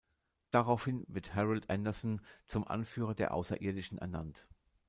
Daraufhin wird Harold Anderson zum Anführer der Außerirdischen ernannt.